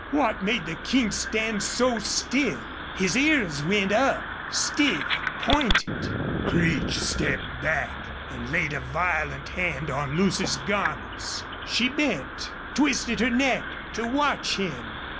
What made the King stand so still? His ears went up stiff pointed! Creech stepped back and laid a violent hand on Lucy's garments. She bent twisted her neck to watch him.